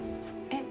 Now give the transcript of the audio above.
え？